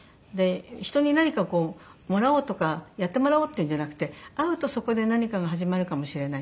人に何かもらおうとかやってもらおうっていうんじゃなくて会うとそこで何かが始まるかもしれない。